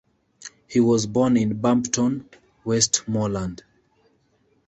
He was born in Bampton, Westmorland.